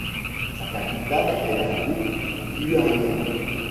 Sa capitale est la ville d'Hualien.